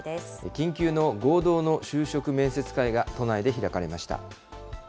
緊急の合同の就職面接会が、都内で開かれました。